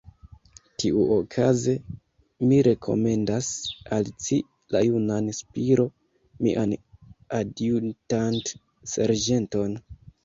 Tiuokaze, mi rekomendas al ci la junan Spiro, mian adjutant-serĝenton.